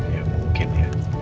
ya mungkin ya